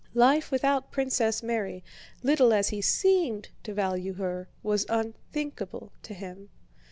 Life without Princess Mary, little as he seemed to value her, was unthinkable to him.